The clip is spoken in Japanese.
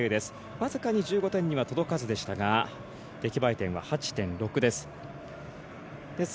僅かに１５点には届かずでしたが出来栄え点は８．６です。